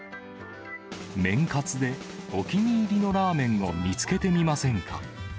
麺活でお気に入りのラーメンを見つけてみませんか。